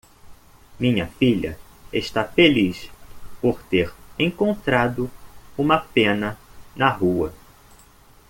Minha filha está feliz por ter encontrado uma pena na rua.